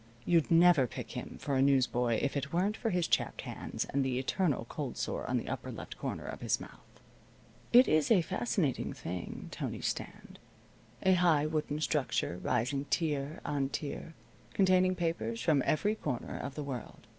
You'd never pick him for a newsboy if it weren't for his chapped hands and the eternal cold sore on the upper left corner of his mouth. It is a fascinating thing, Tony's stand. A high wooden structure rising tier on tier, containing papers from every corner of the world.